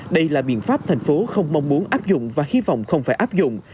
đây là biện pháp thành phố không mong muốn áp dụng và hy vọng không phải áp dụng